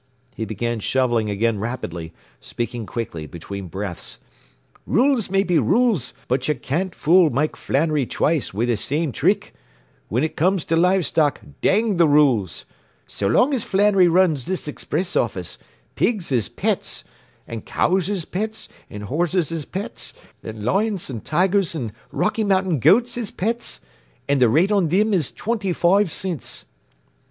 ” He began shoveling again rapidly, speaking quickly between breaths. “Rules may be rules, but you can't fool Mike Flannery twice wid the same thrick whin ut comes to live stock, dang the rules. So long as Flannery runs this expriss office pigs is pets an' cows is pets an' horses is pets an' lions an' tigers an' Rocky Mountain goats is pets an' the rate on thim is twinty foive cints.